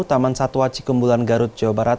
taman satwa cikumbulan garut jawa barat